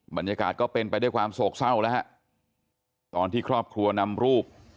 บรรยากาศก็เป็นไปด้วยความโศกเศร้าแล้วฮะตอนที่ครอบครัวนำรูป